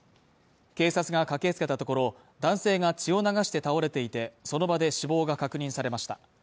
警察が駆けつけたところ、男性が血を流して倒れていて、その場で死亡が確認されました。